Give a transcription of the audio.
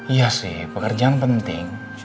iya sih pekerjaan penting